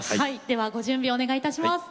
ではご準備をお願いいたします。